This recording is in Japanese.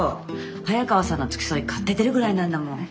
早川さんの付き添い買って出るぐらいなんだもん。